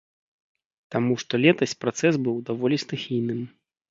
Таму што летась працэс быў даволі стыхійным.